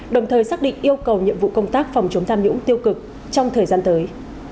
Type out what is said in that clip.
đồng thời xác định yêu cầu nhiệm vụ công tác phòng chống tham nhũng tiêu cực trong thời gian tới